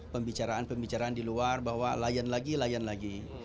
pembicaraan pembicaraan di luar bahwa layan lagi layan lagi